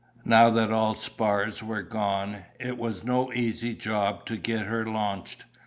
Now that all spars were gone, it was no easy job to get her launched.